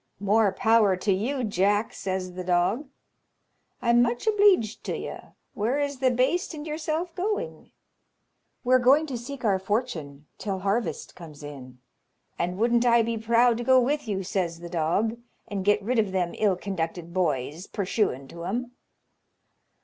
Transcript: "More power to you, Jack," says the dog. "I'm much obleeged to you: where is the baste and yourself going?" "We're going to seek our fortune till harvest comes in." "And wouldn't I be proud to go with you!" says the dog, "and get rid of them ill conducted boys; purshuin' to 'em."